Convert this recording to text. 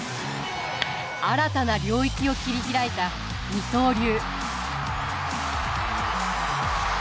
新たな領域を切り開いた二刀流。